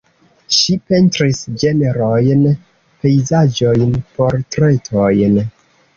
Ŝi pentris ĝenrojn, pejzaĝojn, portretojn.